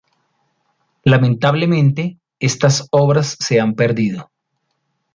Lamentablemente, estas obras se han perdido.